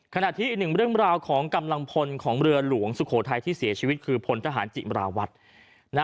ขณะที่อีกหนึ่งเรื่องราวของกำลังพลของเรือหลวงสุโขทัยที่เสียชีวิตคือพลทหารจิมราวัฒน์